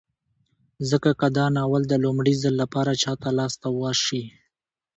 ځکه که دا ناول د لومړي ځل لپاره چاته لاس ته وشي